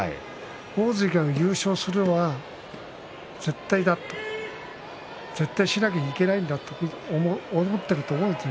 大関が優勝するのは絶対だ、と絶対しなければいけないと思っていると思います